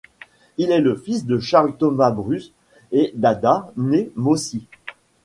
Il est le fils de Charles Thomas Brues et d’Ada née Mossie.